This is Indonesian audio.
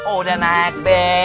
udah naik be